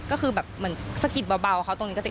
ก็คือแบบเหมือนสกิดเบาเขาตรงนี้กระจิ๊ก